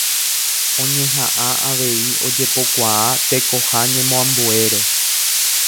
Oñehaʼã avei ojepokuaa tekoha ñemoambuére.